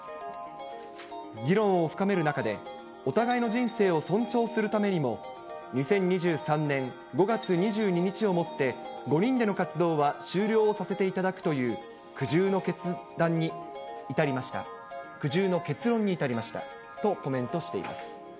議論を深める中で、お互いの人生を尊重するためにも、２０２３年５月２２日をもって５人での活動は終了をさせていただくという、苦渋の結論に至りましたとコメントしています。